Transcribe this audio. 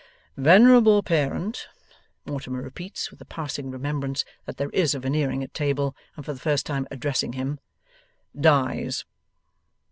'Venerable parent,' Mortimer repeats with a passing remembrance that there is a Veneering at table, and for the first time addressing him 'dies.